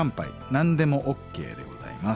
何でもＯＫでございます。